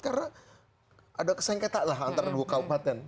karena ada kesengketaan antara dua kabupaten